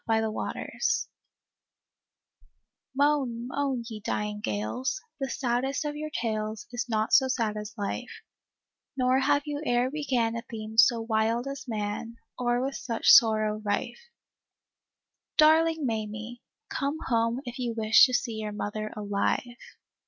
Moan, moan, ye dying gales 1 The saddest of your tales Is not so sad as life ; Nor have you e'er began A theme so wild as man, Or with such sorrow rife." " Darling Mamie: — Come home if you wish to see your mother alive.